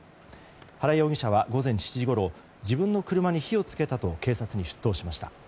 原容疑者は午前７時ごろ自分の車に火を付けたと警察に出頭しました。